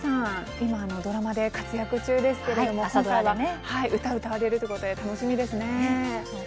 今、ドラマで活躍中ですが今回は歌われるということで楽しみですね。